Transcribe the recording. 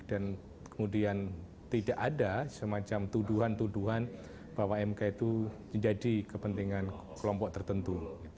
dan kemudian tidak ada semacam tuduhan tuduhan bahwa mk itu menjadi kepentingan kelompok tertentu